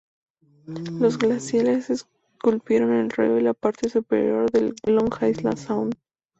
Los glaciares esculpieron el río y la parte superior de Long Island Sound.